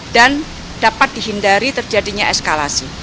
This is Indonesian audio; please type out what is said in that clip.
dan dapat dihindari terjadinya eskalasi